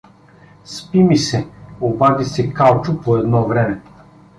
— Спи ми се — обади се Калчо по едно време.